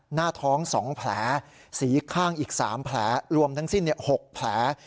หน้าท้อง๒แผลสีข้างอีก๓แผลรวมทั้งสิ้น๖แผล